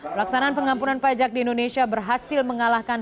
pelaksanaan pengampunan pajak di indonesia berhasil mengalahkan